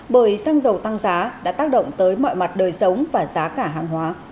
bởi xăng dầu tăng giá đã tác động tới mọi mặt đời sống và giá cả hàng hóa